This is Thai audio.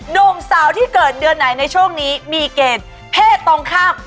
โดมสาวที่เกิดเดือนไหนในช่วงนี้มีเกณฑ์เพศตรงข้างปุ๊บประธัมค์ครับจุน